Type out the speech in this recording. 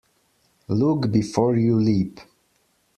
Look before you leap.